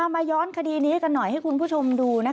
มาย้อนคดีนี้กันหน่อยให้คุณผู้ชมดู